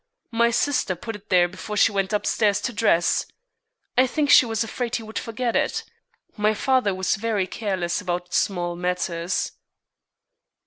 "My sister put it there before she went up stairs to dress. I think she was afraid he would forget it. My father was very careless about small matters."